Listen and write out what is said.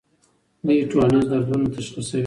دوی ټولنیز دردونه تشخیصوي.